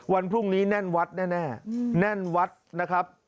วันพรุ่งนี้แน่นวัดแน่แน่นวัดนะครับ